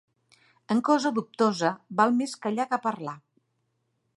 En cosa dubtosa val més callar que parlar.